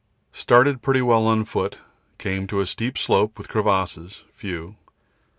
Started pretty well on foot; came to steep slope with crevasses (few).